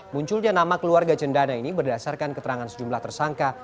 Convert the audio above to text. munculnya nama keluarga cendana ini berdasarkan keterangan sejumlah tersangka